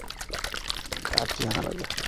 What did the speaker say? আর কী জানা লাগে?